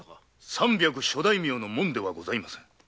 三百諸大名の紋ではございません。